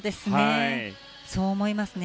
そう思いますね。